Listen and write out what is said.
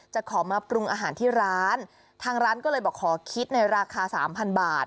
จะขอมาปรุงอาหารที่ร้านทางร้านก็เลยบอกขอคิดในราคาสามพันบาท